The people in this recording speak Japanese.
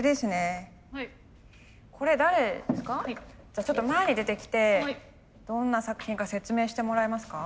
じゃあちょっと前に出てきてどんな作品か説明してもらえますか。